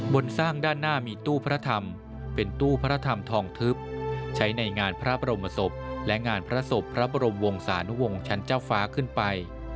สร้างด้านหน้ามีตู้พระธรรมเป็นตู้พระธรรมทองทึบใช้ในงานพระบรมศพและงานพระศพพระบรมวงศานุวงศ์ชั้นเจ้าฟ้าขึ้นไป